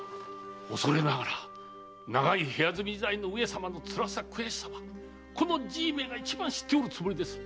おそれながら長い部屋住み時代の上様の辛さ悔しさはこのじいめが一番知っておるつもりです。